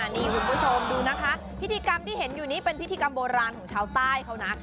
นี่คุณผู้ชมดูนะคะพิธีกรรมที่เห็นอยู่นี้เป็นพิธีกรรมโบราณของชาวใต้เขานะ